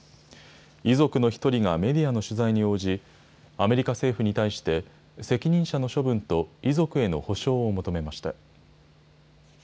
遺族の１人がメディアの取材に応じ、アメリカ政府に対して、責任者の処分と遺族への補償を求めました。